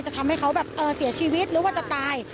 ทำให้เขาแบบเสียชีวิตหรือว่าจะตาย